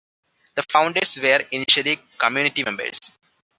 The founders were initially community members.